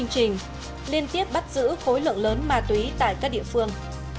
để tiếp nối chương trình liên tiếp bắt giữ khối lượng lớn ma túy tại các địa phương